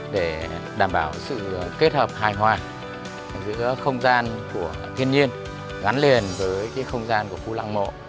để đảm bảo sự kết hợp hài hòa giữa không gian của thiên nhiên gắn liền với không gian của khu lăng mộ